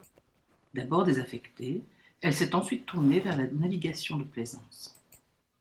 D'abord désaffectée, elle s'est ensuite tournée vers la navigation de plaisance.